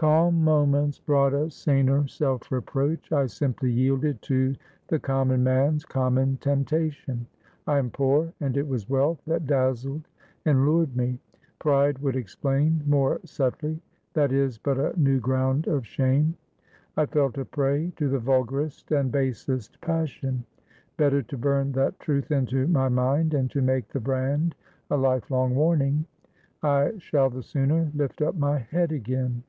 Calm moments brought a saner self reproach. "I simply yielded to the common man's common temptation. I am poor, and it was wealth that dazzled and lured me. Pride would explain more subtly; that is but a new ground of shame. I felt a prey to the vulgarest and basest passion; better to burn that truth into my mind, and to make the brand a lifelong warning. I shall the sooner lift up my head again."